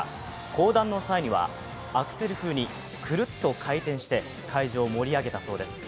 降壇の際にはアクセル風にくるっと回転して会場を盛り上げたそうです。